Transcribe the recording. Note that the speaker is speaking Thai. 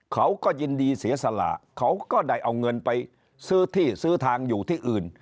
เขาก็ยินดีเสียสละเขาก็ได้เอาเงินไปซื้อที่ซื้อทางอยู่ที่อื่น